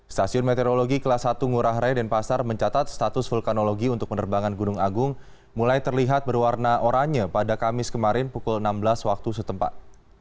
stasiun meteorologi kelas satu ngurah rai dan pasar mencatat status vulkanologi untuk penerbangan gunung agung mulai terlihat berwarna oranye pada kamis kemarin pukul enam belas waktu setempat